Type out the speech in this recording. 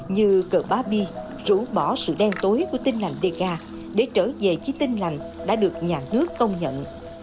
như cờ barbie rủ bỏ sự đen tối của tin lành đề ca để trở về chi tin lành đã được nhà nước công nhận